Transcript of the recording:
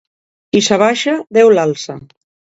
Qui s'abaixa, Déu l'alça.